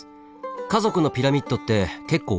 家族のピラミッドって結構多いんですよ。